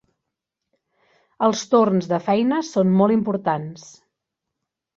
Els torns de feina són molt importants.